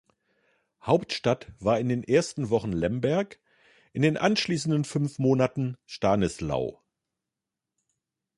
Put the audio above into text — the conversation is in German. Hauptstadt war in den ersten Wochen Lemberg, in den anschließenden fünf Monaten Stanislau.